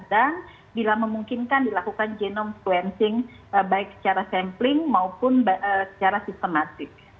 dan bila memungkinkan dilakukan genome sequencing baik secara sampling maupun secara sistematik